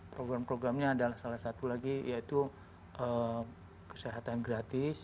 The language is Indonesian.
program programnya adalah salah satu lagi yaitu kesehatan gratis